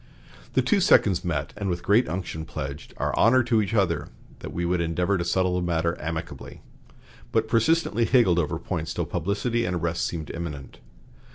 The two seconds met, and, with great unction, pledged "our honor to each other that we would endeavor to settle the matter amicably," but persistently higgled over points till publicity and arrests seemed imminent.